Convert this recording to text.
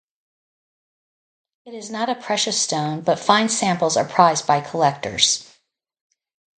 It is not a precious stone but fine samples are prized by collectors.